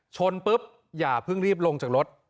ชนปุ๊บอย่าเพิ่งรีบลงจากรถ